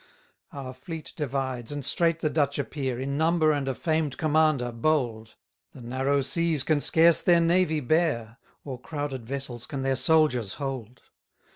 54 Our fleet divides, and straight the Dutch appear, In number, and a famed commander, bold: The narrow seas can scarce their navy bear, Or crowded vessels can their soldiers hold.